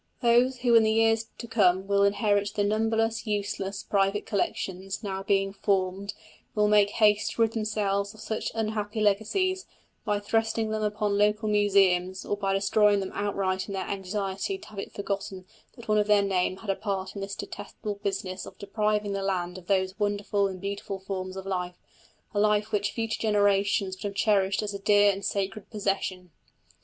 Those who in the years to come will inherit the numberless useless private collections now being formed will make haste to rid themselves of such unhappy legacies, by thrusting them upon local museums, or by destroying them outright in their anxiety to have it forgotten that one of their name had a part in the detestable business of depriving the land of these wonderful and beautiful forms of life a life which future generations would have cherished as a dear and sacred possession.